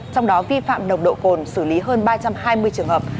trong đó vi phạm nồng độ cồn xử lý hơn ba trăm hai mươi trường hợp